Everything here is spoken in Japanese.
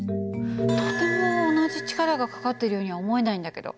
とても同じ力がかかっているようには思えないんだけど。